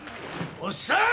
おっさん！